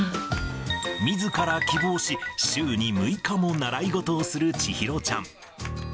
みずから希望し、週に６日も習い事をする千尋ちゃん。